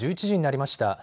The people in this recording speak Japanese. １１時になりました。